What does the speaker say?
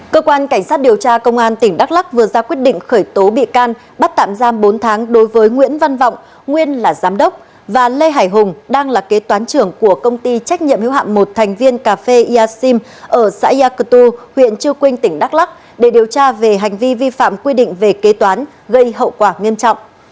cơ quan cảnh sát điều tra công an tỉnh đắk lắc vừa ra quyết định khởi tố bị can bắt tạm giam bốn tháng đối với nguyễn văn vọng nguyên là giám đốc và lê hải hùng đang là kế toán trưởng của công ty trách nhiệm hiếu hạm một thành viên cà phê yassim ở xã yakutu huyện chư quynh tỉnh đắk lắc để điều tra về hành vi vi phạm quy định về kế toán gây hậu quả nghiêm trọng